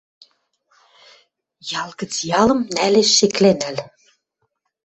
Ял гӹц ялым нӓлеш шеклӓнӓл.